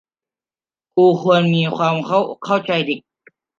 ครูควรมีความเข้าอกเข้าใจเด็ก